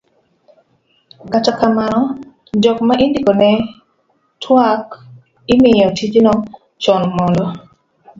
kata kamano, jok ma indikone twak imiyo tijno chon mondo